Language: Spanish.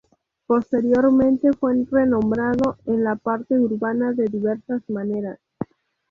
Posteriormente fue renombrado en la parte urbana de diversas maneras.